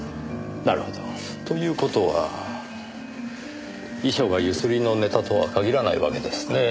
なるほど。という事は遺書が強請りのネタとは限らないわけですねぇ。